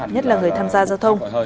nhất là người tham gia giao thông